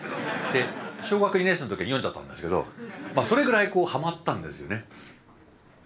小学２年生の時に読んじゃったんですけどそれぐらいはまったんですよね。